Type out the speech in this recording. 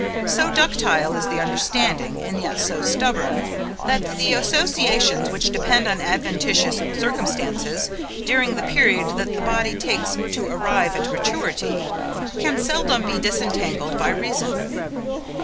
So ductile is the understanding, and yet so stubborn, that the associations which depend on adventitious circumstances, during the period that the body takes to arrive at maturity, can seldom be disentangled by reason.